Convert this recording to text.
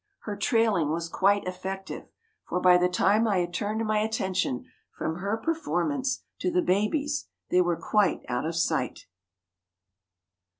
Her "trailing" was quite effective, for by the time I had turned my attention from her performance to the babies, they were quite out of sight.